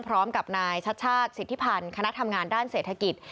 พร้อมกับนายชัชชาติสิทธิพันธ์คณะทำงานด้านเศรษฐกิจ